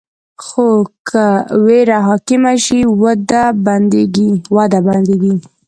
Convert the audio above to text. خو که ویره حاکمه شي، وده بندېږي.